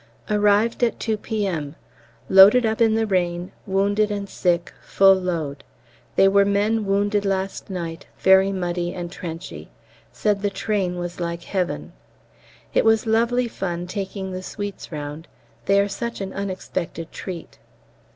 Arrived at 2 P.M. Loaded up in the rain, wounded and sick full load. They were men wounded last night, very muddy and trenchy; said the train was like heaven! It is lovely fun taking the sweets round; they are such an unexpected treat.